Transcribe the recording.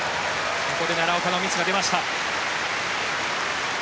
ここで奈良岡のミスが出ました。